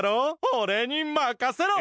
おれにまかせろ。